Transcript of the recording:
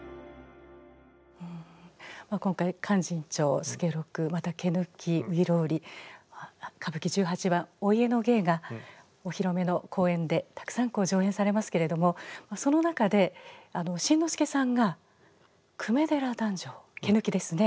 今回「勧進帳」「助六」また「毛抜」「外郎売」歌舞伎十八番お家の芸がお披露目の公演でたくさん上演されますけれどもその中で新之助さんが粂寺弾正「毛抜」ですね。